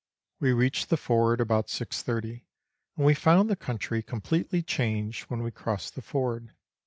We reached the ford about 6.30, and we found the country com pletely changed when we crossed the ford.